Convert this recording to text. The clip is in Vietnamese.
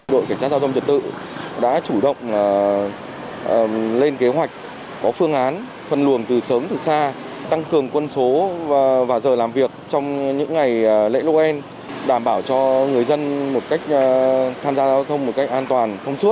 đội cảnh sát giao thông trật tự đã chủ động lên kế hoạch có phương án phân luồng từ sớm từ xa tăng cường quân số và giờ làm việc trong những ngày lễ lô en đảm bảo cho người dân một cách tham gia giao thông một cách an toàn thông suốt